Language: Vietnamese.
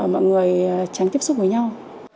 mọi người tránh tiếp xúc với nhau